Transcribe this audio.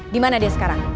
dimana dia sekarang